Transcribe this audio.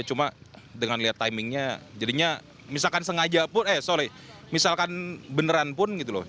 cuma dengan lihat timingnya jadinya misalkan sengaja pun eh sorry misalkan beneran pun gitu loh